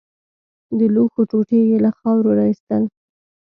د لوښو ټوټې يې له خاورو راايستل.